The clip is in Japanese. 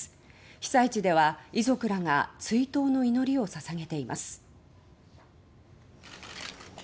被災地では遺族らが追悼の祈りを捧げています。